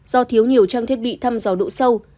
do thiếu nhiều trang thiết bị thăm dò độ sâu